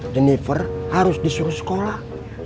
jennifer harus disuruh sekolah